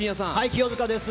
清塚です。